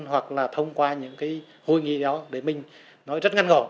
hoặc là thông qua những cái hội nghị đó để mình nói rất ngắn gọn